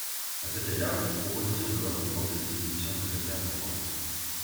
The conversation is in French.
À cet égard, cette proposition de loi comporte des dispositions tout à fait importantes.